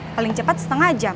paling cepat setengah jam